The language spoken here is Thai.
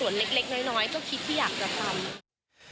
ส่วนเล็กน้อยก็คิดที่อยากจะทำ